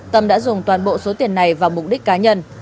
tâm đã dùng toàn bộ số tiền này vào mục đích cá nhân